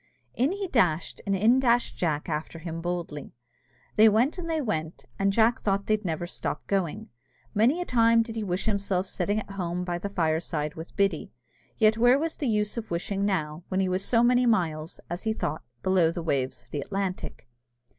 In he dashed, and in dashed Jack after him boldly. They went and they went, and Jack thought they'd never stop going. Many a time did he wish himself sitting at home by the fireside with Biddy. Yet where was the use of wishing now, when he was so many miles, as he thought, below the waves of the Atlantic?